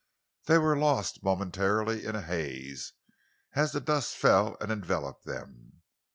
They were lost, momentarily, in a haze, as the dust fell and enveloped them.